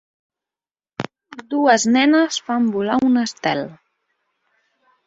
dues nenes fan volar un estel.